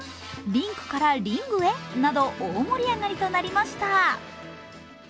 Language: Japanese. リンクからリングへ？など大盛り上がりとになりました。